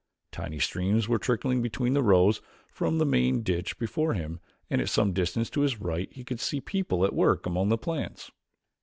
Tiny streams were trickling between the rows from the main ditch before him and at some distance to his right he could see people at work among the plants.